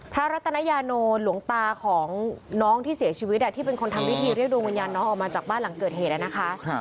รัตนยาโนหลวงตาของน้องที่เสียชีวิตที่เป็นคนทำวิธีเรียกดวงวิญญาณน้องออกมาจากบ้านหลังเกิดเหตุนะคะ